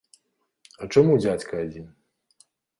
А чаму дзядзька адзін?